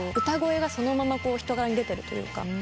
歌声がそのまま人柄に出てるというか。